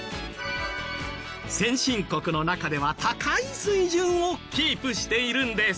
先進国の中では高い水準をキープしているんです。